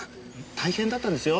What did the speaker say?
大変だったんですよ。